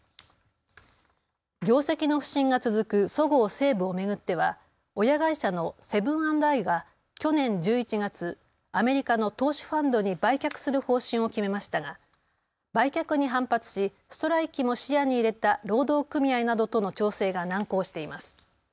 業績の不振が続くそごう・西武を巡っては親会社のセブン＆アイが去年１１月、アメリカの投資ファンドに売却する方針を決めましたが売却に反発しストライキも視野に入れた労働組合などとの調整が難航しています。